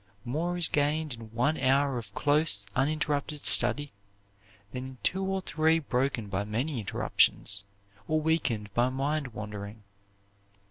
More is gained in one hour of close, uninterrupted study, than in two or three broken by many interruptions, or weakened by mind wandering.